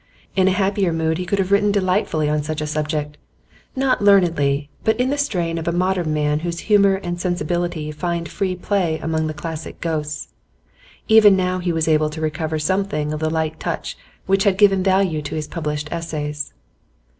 In a happier mood he could have written delightfully on such a subject not learnedly, but in the strain of a modern man whose humour and sensibility find free play among the classic ghosts; even now he was able to recover something of the light touch which had given value to his published essays.